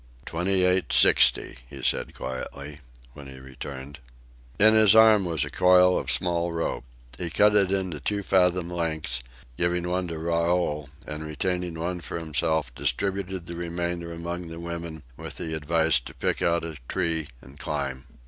"Twenty eight sixty," he said quietly when he returned. In his arm was a coil of small rope. He cut it into two fathom lengths, giving one to Raoul and, retaining one for himself, distributed the remainder among the women with the advice to pick out a tree and climb.